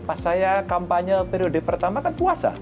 pas saya kampanye periode pertama kan puasa